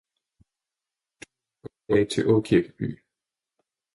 Turen går i dag til Aakirkeby